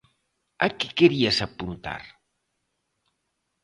A que querías apuntar?